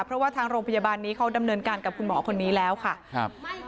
เพราะว่าทางโรงพยาบาลนี้เขาดำเนินการกับคุณหมอคนนี้แล้วค่ะครับ